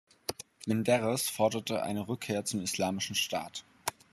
Menderes forderte eine Rückkehr zum islamischen Staat.